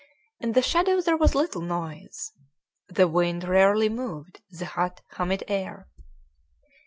In the shadow there was little noise. The wind rarely moved the hot, humid air.